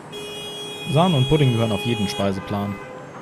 Sahne und Pudding gehören auf jeden Speiseplan.